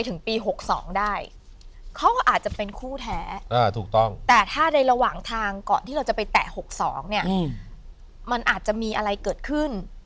ถ้าในระหว่างทางก่อนที่เราจะไปแตะ๖๒มันอาจจะมีอะไรเกิดขึ้น